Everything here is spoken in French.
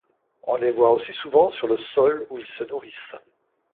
On les voit aussi souvent sur le sol où ils se nourrissent.